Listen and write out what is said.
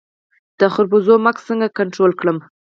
د خربوزو مګس څنګه کنټرول کړم؟